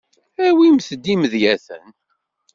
Awimt-d imedyaten.